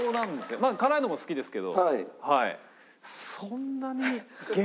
まあ辛いのも好きですけどはい。